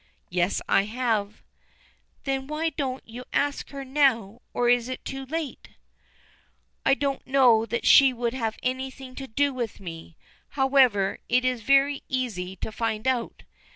"Yes, I have." "Then why don't you ask her now, or is it too late?" "I don't know that she would have anything to do with me; however, it is very easy to find out.